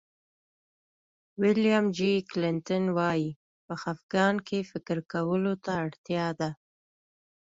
ویلیام جي کلنټن وایي په خفګان کې فکر کولو ته اړتیا ده.